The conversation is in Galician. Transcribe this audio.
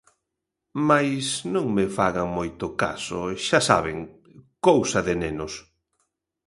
Mais non me fagan moito caso, xa saben... cousa de nenos.